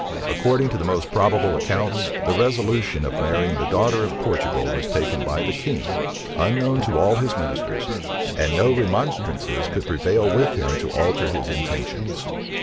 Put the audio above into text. According to the most probable accounts,[*] the resolution of marrying ihe daughter of Portugal was taken by the king, unknown to all his ministers, and no remonstrances could prevail with him to alter his intentions.